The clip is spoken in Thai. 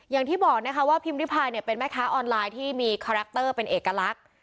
อย่างที่บอกนะคะว่าพิมพิพายเนี่ยเป็นแม่ค้าออนไลน์ที่มีคาแรคเตอร์เป็นเอกลักษณ์